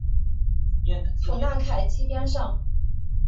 普纳凯基边上。